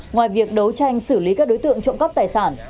ngoài việc đấu tranh xử lý các đối tượng trộm cắp tài sản